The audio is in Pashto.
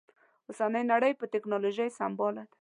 اوسنۍ نړۍ په ټکنالوژي سمبال ده